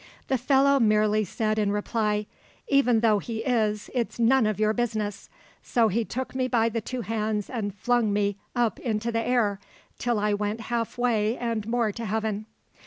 "The fellow merely said in reply, 'Even though he is, it's none of your business'; so he took me by the two hands and flung me up into the air, till I went half way and more to heaven.